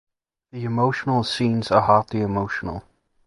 The emotional scenes are hardly emotional.